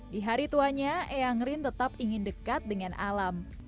di hari tuanya eyanglin tetap ingin dekat dengan alam